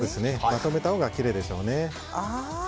まとめたほうがきれいでしょうね。